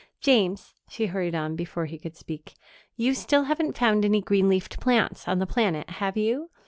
James," she hurried on, before he could speak, "you still haven't found any green leafed plants on the planet, have you?